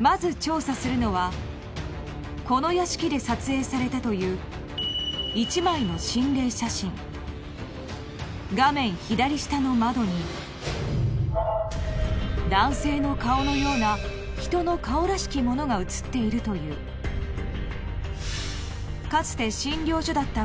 まず調査するのはこの屋敷で撮影されたという一枚の心霊写真画面左下の窓に男性の顔のような人の顔らしきものが写っているというかつて診療所だった